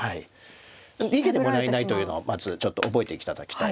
逃げてもらえないのはまずちょっと覚えて頂きたい。